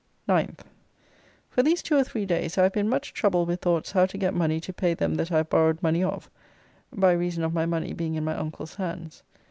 9th. For these two or three days I have been much troubled with thoughts how to get money to pay them that I have borrowed money of, by reason of my money being in my uncle's hands.